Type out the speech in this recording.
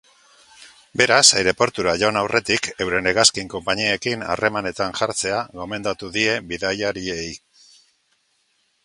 Beraz, aireportura joan aurretik euren hegazkin-konpainiekin harremanetan jartzea gomendatu die bidaiariei.